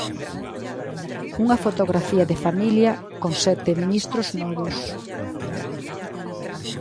Unha fotografía de familia con sete ministros novos.